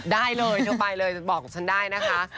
ได้เลยเดี๋ยวไปเลยบอกกับฉันได้นะคะ